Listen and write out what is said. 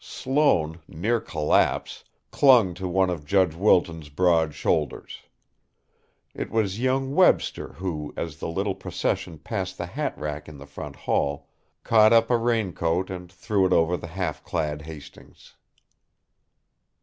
Sloane, near collapse, clung to one of Judge Wilton's broad shoulders. It was young Webster who, as the little procession passed the hatrack in the front hall, caught up a raincoat and threw it over the half clad Hastings.